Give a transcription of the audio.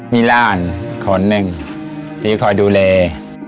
มีร้านคนหนึ่งที่คอยดูเทรียม